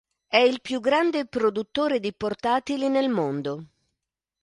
È il più grande produttore di portatili nel mondo.